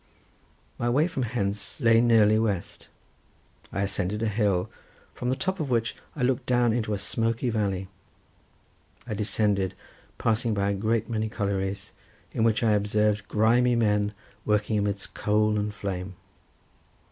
My way from hence lay nearly west. I ascended a hill, from the top of which I looked down into a smoky valley. I descended, passing by a great many collieries, in which I observed grimy men working amidst smoke and flame.